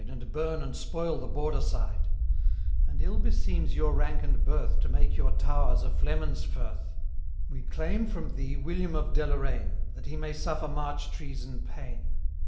And bum and spoil the Border side ; And ill beseems your rank and birth To make your towers a flemens firth.' We claim from thee William of Deloraine, That he may suffer march treason' pain.